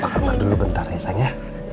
papa kamar dulu bentar ya sayang ya